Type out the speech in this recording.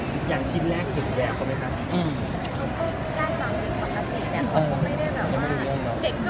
มีโครงการทุกทีใช่ไหม